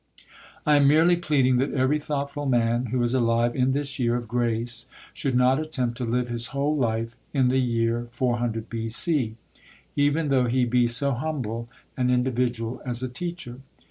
I am merely pleading that every thoughtful man who is alive in this year of grace should not attempt to live his whole life in the year 400 B.C., even though he be so humble an individual as a teacher.